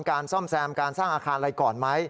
การซ่อมแซมการสร้างอาคารอะไรก่อนไหม